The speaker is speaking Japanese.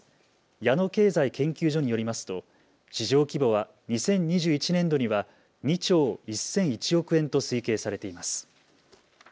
矢野経済研究所によりますと市場規模は２０２１年度には２兆１００１億円と推計されています。